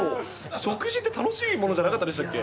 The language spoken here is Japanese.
食事って楽しいものじゃなかったでしたっけ。